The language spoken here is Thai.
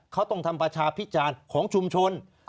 เขาต้องทำประชาพิจารณ์ของชุมชน